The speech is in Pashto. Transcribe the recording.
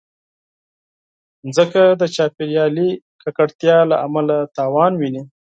مځکه د چاپېریالي ککړتیا له امله زیان ویني.